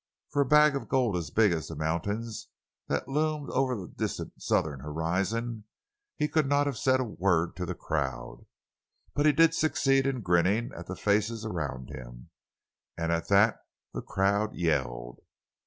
For a bag of gold as big as the mountains that loomed over the distant southern horizon he could not have said a word to the crowd. But he did succeed in grinning at the faces around him, and at that the crowd yelled.